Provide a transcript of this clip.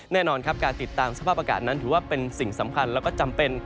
แน่นอนครับการติดตามสภาพอากาศนั้นถือว่าเป็นสิ่งสำคัญแล้วก็จำเป็น